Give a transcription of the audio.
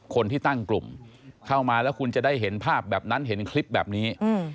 คนที่ตั้งกลุ่มเข้ามาแล้วคุณจะได้เห็นภาพแบบนั้นเห็นคลิปแบบนี้